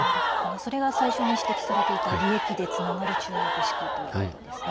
それが最初に指摘していた利益でつながる中国式ということですね。